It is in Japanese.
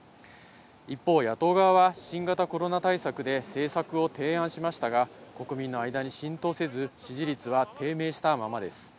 一方、野党側は新型コロナ対策で政策を提案しましたが、国民の間に浸透せず、支持率は低迷したままです。